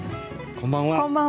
こんばんは。